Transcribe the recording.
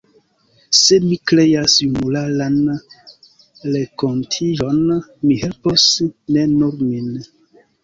Se mi kreas junularan renkontiĝon, mi helpos ne nur min.